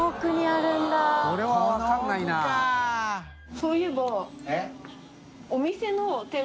そういえば◆